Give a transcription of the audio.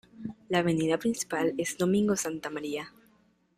La avenida principal es Domingo Santa María.